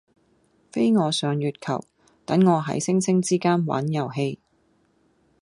飛我上月球，等我喺星星之間玩遊戲